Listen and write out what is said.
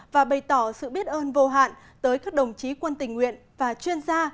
và bày tỏ sự biết ơn vô hạn tới các đồng chí quân tình nguyện và chuyên gia